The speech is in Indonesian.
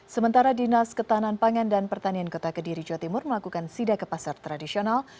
sementara dinas ketahanan pangan dan pertanian kota kediri jawa timur melakukan sida ke pasar tradisional